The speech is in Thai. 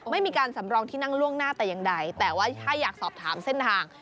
ไม่มีการสำรองที่นั่งล่วงหน้าแต่อย่างใดแต่ว่าถ้าอยากสอบถามเส้นทาง